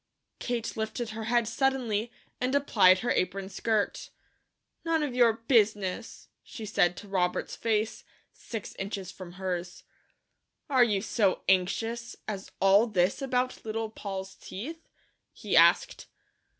Kate lifted her head suddenly, and applied her apron skirt. "None of your business," she said to Robert's face, six inches from hers. "Are you so anxious as all this about Little Poll's teeth?" he asked.